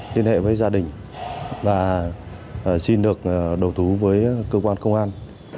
liên hệ với gia đình và xin được đầu thú với cơ quan công an